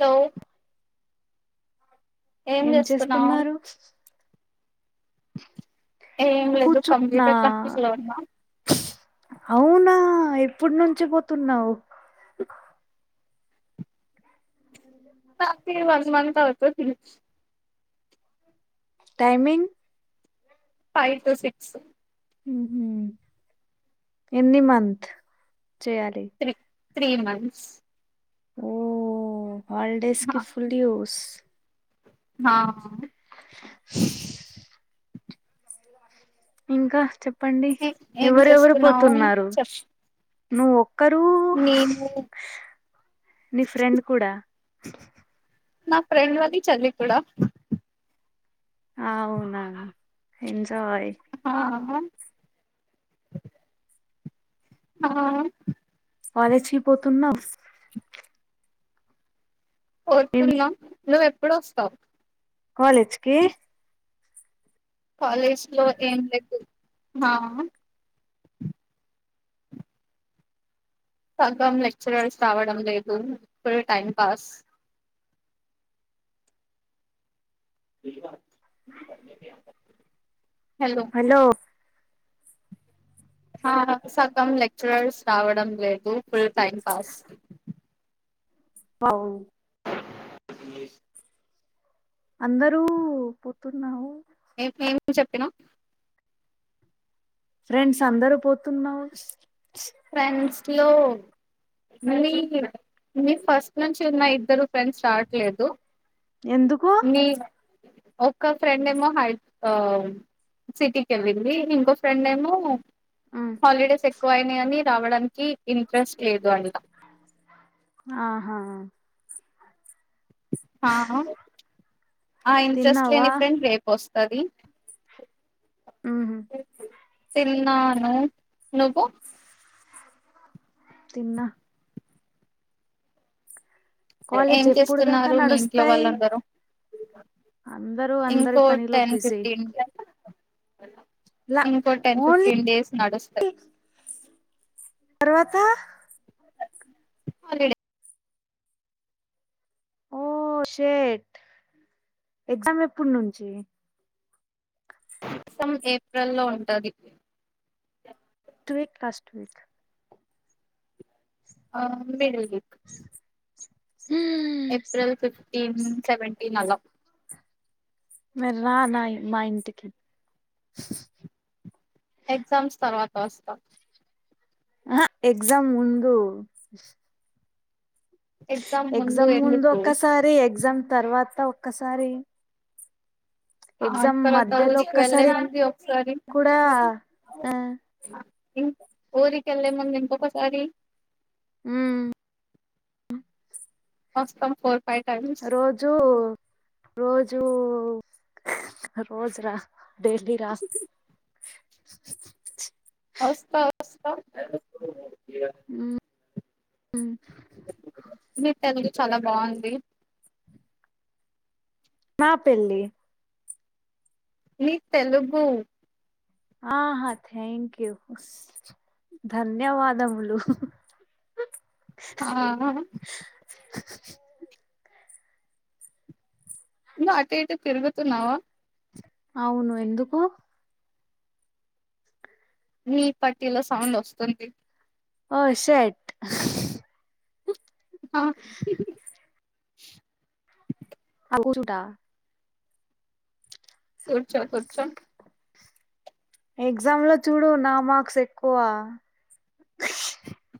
Hello ఏం చేస్తున్నావు ఏం లేదు కూచున్నా కంప్యూటర్ క్లాసెస్ లో ఉన్నా అవునా ఆ ఇప్పుడు నుంచి పోతున్నావు నా తీరు వన్ మంత్ అవుతుంది టైమింగ్ ఫైవ్ టు సిక్స్ ఉహు ఎన్ని మంత్ చేయాలి త్రీ త్రీ మంత్స్ ఓ హాలిడేస్ కి ఫుల్ డియోస్ మావు ఇంకా చెప్ ప్పండి ఏం ఎవరెవరు చేస్తున్నావు పోతున్నారు చెప్ నువ్వు కరువు నేను నీ ఫ్రెండ్ కూడా నా ఫ్రెండ్ వది చల్లి కూడా ఆ అవునా ఇన్ ఆహ ఆ కాలేజీకి పోతున్నా పోతున్నా నువ్వెప్పుడు వస్తావ్ కాలేజ్కి కాలేజ్ లో ఏం లేదు మా సగం లెక్చరర్స్ రావడం లేదు ఫుల్ టైం పాస్ హలో ఆ సగం లెక్చరర్స్ రావడం లేదు ఫుల్ టైమ్ పాస్ అవు ఇంగ్లీష్ అందరూ పొతున్నావు ఏ ఏమి చెప్పినా ఫ్రెండ్స్ అందరు పోతున్నావుస్ ఫ్రెండ్స్ లో మ్మీ మీ ఫస్ట్ నుంచి ఉన్నాయిద్దరు, ఫ్రెండ్ స్టార్ట్లేద్దు. ఎందుకు ప్చ్ ఒక్క ఫ్రెండ్ ఏమో, హై ఆమ్ మ్మ్ సిటీకి వెళ్ళింది. ఇంకో ఫ్రెండ్ ఏమో ఉమ్ హాలిడేస్ ఎక్ ఎక్కువయినాయి, అని రావడన్ చి ఇంట్రెస్ట్ లేదు. అంట ఆహా ఆ ఆహ ప్చ్ ఆ ఇంట్రెస్ట్ తిన్నావా లేని, ఫ్రెం రేపోస్ కదిన్ ఉహూ తిన్నాను. నువ్వు ప్చ్ తిన్నా ఏం కాలేజ్ ఎప్పుడు దాకా చేస్తున్నారు. మీ ఇంట్లో నడుస్తాయి వాళ్ళందరూ [unintelligible] అందరూ అందరి ఇంకో పనిలో టెన్ బిజీ ఫిఫ్టీన్ కి వేళ్ళా లా ఇంకో టెన్, ఓన్లీ ఫిఫ్టీన్, డేస్ నడుస్తే తర్వాత హాలిడే ఓ షెట్ ఎగ్జామ్ ఎప్పుడ్నుంచి. సం ఏప్రిల్ లో ఉంటాది. టువీక్, కాస్ట్ వీక్ ఆ ఉండేది. ఇక్ ఏప్రిల్ ఫిఫ్టీన్, సెవెంటీన్ అలా మరి రా నాఇ మా ఇంటికి ఎగ్జామ్స్ తర్వాత వస్తా ఆహా ఎగ్జామ్ ముందు ఎగ్జామ్ ముందు ఒక్కసారి, ఎగ్జామ్ తర్వా త ఒక్కసారి ఆ ఎగ్జామ్ తర్వాత మధ్యలో ఊరికి ఒక్కసారి వెళ్లేముంది. ఒక్ సారి కూడా ఒ ఆ ఆ ఇన్ ఊరికెళ్ళె ముందు, ఇంకొకొసారి హ్మ్మ్ మ్మ్ అస్ స్తంపో ఆ రోజూ, రోజు ఒ రోజ్రా, డైలీ రాస్ స్చ్ వస్తా వస్త ఉంటది ఊ ఉం మీ తెల్గు చాలా బాగుంది నాపెళ్లి నీ తెలుగు ఆహా థ్యాంక్ యూ ధన్యవాదములు ఆ - [inaudible] అటు ఇటు తిరుగుతున్నావా అవును ఎందుకు నీ పట్టీలో సౌండ్ వస్తుంది ఓ షెట్ ఆ అచ్చుట కూర్చో కూర్చొ ఎగ్జామ్ లో చూడు నా మార్క్స్ ఎక్కువ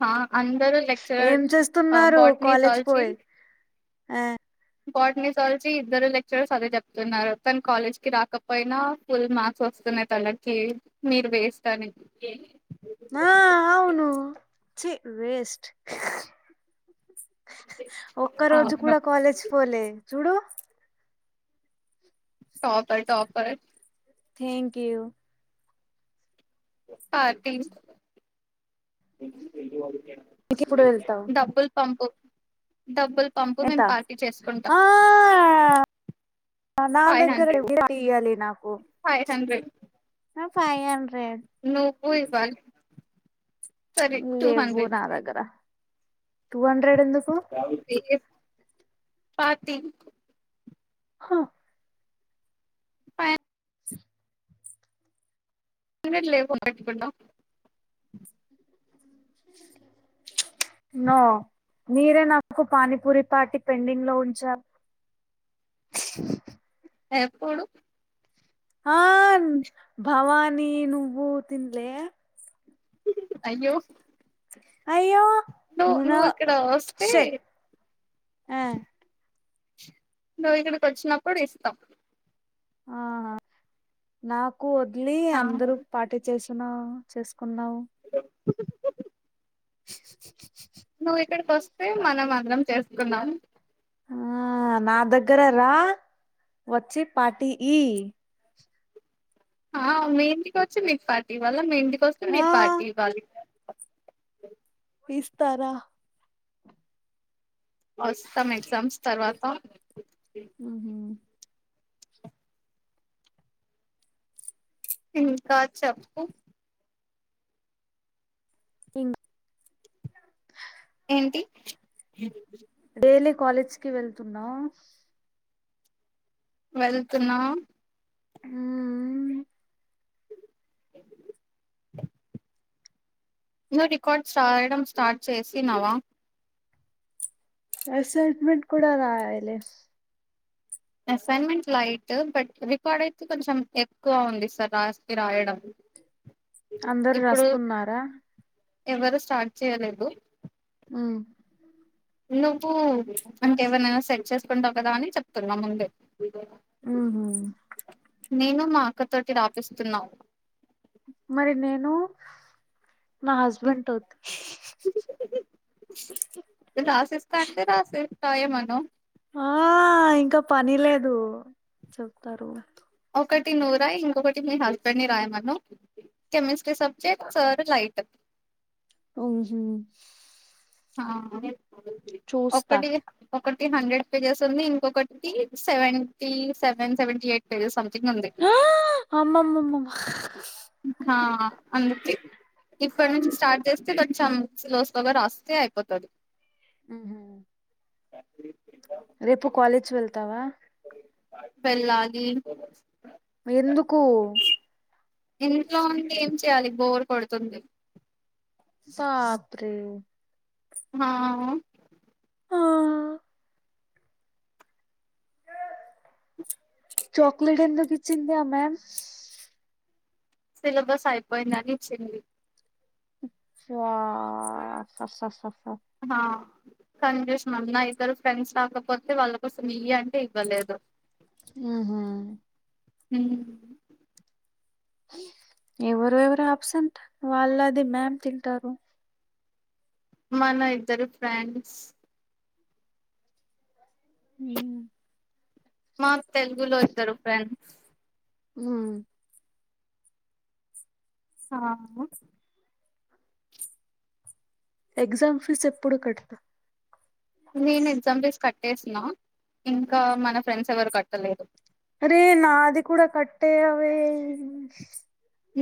ఆ అందరు ఏం చేస్తున్నారు కాలేజ్ పోయి ఆ బట్నిజాలజీ ఇద్దరు లెక్చరర్స్ అదే చెప్తున్నారు తన కాలేజ్ కి రాకపోయినా ఫుల్ మార్క్స్ వస్తున్నాయి తనకి మీరు వేస్ట్ అని ఆ అవును ఛీ వేస్ట్ ఒక్క రోజు అవును కూడా కాలేజ్ పోలే చూడు topper topper thank you party - ఇంకెప్పుడు వెళ్తావు [inaudible] డబ్బులు పంపు డబ్బులు పంపు ఎంత మేము పార్టీ చేసుకుంటాం ఆ నా ఫైవ్ దగ్గర హండ్రెడ్ ఏం తీయాలి నాకు ఫైవ్ హండ్రెడ్ ఫైవ్ హండ్రెడ్ నువ్వు ఇవ్వాలి సరే టూ లేవు హండ్రెడ్ నా దగ్గర టూ అ ఎ పార్టీ హ ఫై అ [inaudible] హండ్రెడ్ లేపోతే ఎట్లున్నావ్ నో మీరే నాకు పానీపూరి పార్టీ పెండింగ్ లో ఉంచారు ఎప్పుడు ఆ.. భవాని నువ్వు తిన్లే అయ్యో అయ్యో నువ్ మున నువ్ ఇక్కడ వస్తే షట్ ఆ నువ్వు ఇక్కడికి వచ్చినప్పుడు ఇస్తాం ఆ హ నాక్ నన్ను వదిలి ఇస్తాం అందరూ పార్టీ చేసు నా చేసుకున్నావు నువ్వు ఇక్కడకి వస్తే మనం అన్ అన్నం చేసుకున్నాం ఆ నా దగ్గర రా వచ్చి పార్టీ ఈ ఆ మీ ఇంటికి వచ్చి మీకి పార్టీ ఇవ్వాళ మీ ఇంటికి కొస్తే ఆ మీరు పార్టీ ఇవ్వాలి ఇక ఇస్తారా వస్తాం ఎగ్జామ్స్ తర్వాత ఉహూ ఇంకా చెప్పు తిన్ ఏంటి డైలీ కాలేజ్ కి వెళ్తున్నాం వెళ్తున్నా మ్మ్ నువ్ రికార్డ్ స్ రాయడం స్టార్ట్ చేసినావా అసైన్మెంట్ కూడా రాయలే అసైన్మెంట్ లైట్ బట్ రికార్డ్ అయితే కొంచెం ఎక్కువ ఉంది సార్ రాస్తే రాయడం అందరు ఇప్పుడు రాస్తున్నార ఎవరు స్టార్ట్ చేయలేదు హ్మ్ నువ్వు అంటే ఎవన్నా సేట్ చేసుకుంటావు కదా అని చెప్తున్నా ముందు ఉహు నేను మా అక్క తోటి రాపిస్తున్నా మరి నేను నా హస్బెండ్ తో రాసిస్తా అంటే రాసేయ్ రాయామను ఆ ఇంకా పని లేదు చెప్తారు ఒకటి నువ్వు రాయి ఇంకొకటి మీ హస్బెండ్ ని రాయమను కెమిస్ట్రీ సబ్జెక్ట్ సార్ లైట్ ఉహు ఆ చూస్తా ఒకటిగా ఒకటెం హండ్రెడ్ పేజెస్ ఉంది. ఇంకొకటి seventy seven seventy eight pages అంతే ఆ అమ్మమ్మమ్మ హా అందుకే ఇప్పటి నుంచి స్టార్ట్ చేస్తే కొంచెం స్లో స్లోగా రాస్తే అయిపోతది. ఊహు రేపు కాలేజ్ వెళ్తావా వెళ్లాలి. ఎందుకు ఇంట్లో ఉండి ఏం చేయాలి బోర్ కొడుతుంది. సాప్రే మా ఆ, చాక్లేెట్ ఎందుకిచ్చింది ఆ మ్యామ్ సిలబస్ అయిపోయిందని ఇచ్చింది. స్వ స స స హా కన్ చూసం నా ఇద్దరు ఫ్రెండ్స్ రాకపోతే వాళ్ళ కోసం ఇయ్య అంటే ఇవ్వలేదు. ఊహు ఉ ఎవరు ఎవరు అబ్సెంట్. వాళ్ళది మ్యామ్ తింటారు. మన ఇద్దరు ఫ్రెండ్స్ మీ మాక్ తెలుగులో ఇద్దరు ఫ్రెండ్స్ ఊ ఆ ఎగ్జామ్ ఫీజు ఎప్పుడు కట్ట నేను ఎగ్జామ్ ఫీజు కట్ కట్టేసిన ఇంకా మన ఫ్రెండ్స్ ఎవరు కట్టలేదు. అరే నాది కూడా కట్టేయవే.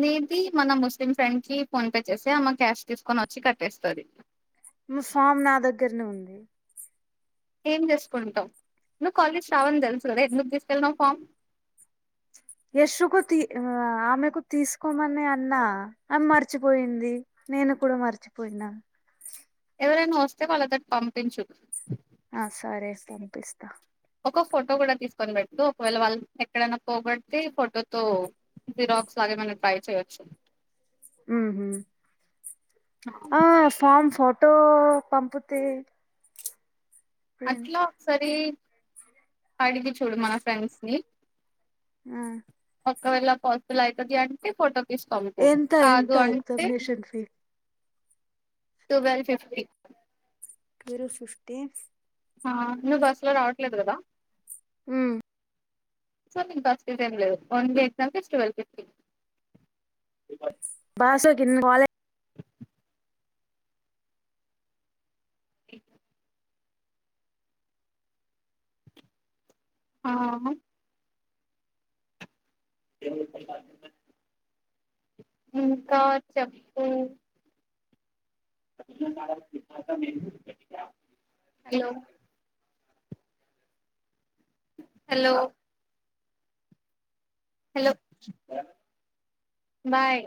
నీది మన ముస్లిం ఫ్రెండ్ కి ఫోన్పే చేసెయ్ ఆమ్ క్యాష్ తీసుకొని వచ్చి కట్టేస్తది. నీ ఫామ్ నా దగ్గరనే ఉంది. ఏం చేసుకుంటావు నువ్వు కాలేజ్ రావాలని తెలుసు కదా ఎందుకు తీసుకెళ్ళినావ్ ఫామ్ యష్ కు తీ ఊ ఆమెకు తీసుకోమని అన్నా ఆమె మర్చిపోయింది నేను కూడా మర్చిపోయినా ఎవరైనా వస్తే వాళ్ళతోటి పంపించూ ఆ సరే పంపిస్తా. ఒక ఫోటో కూడా తీసుకొని పెట్టు ఒకవేళ వాళ్ళ ఎక్కడైనా పోగొడితే ఫోటోతో జిరాక్స్ లాగ ఏమైనా ట్రై చేయొచ్చు. ఊహు ఆ ఫామ్ ఫోటో పంపితే అట్లా ఒక్కసారి అడిగి చూడు మన ఫ్రెండ్స్ ని ఆ ఒక్కవేళ పాజిబుల్ అయితది అంటే ఫోటో తీసి పంపు ఎంత ఎంత కాదు ఎగ్జామినేషన్ ఫీజు టువల్ ఫిఫ్టీన్ విరు ఫిఫ్టీన్ ఆ నువ్వు బస్ లో రావట్లేదు కదా మ్మ్ సో నీకు బస్సు ఫీజు ఎమ్ లేదు only exam fees twelve fifteen బాసుకిిన్న [inaudible] ఎ ఆ ఆము ఇంకా చెప్పు హలో హలో హలో బాయ్